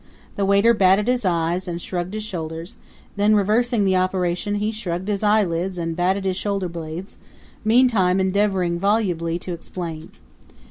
The waiter batted his eyes and shrugged his shoulders; then reversing the operation he shrugged his eyelids and batted his shoulderblades, meantime endeavoring volubly to explain.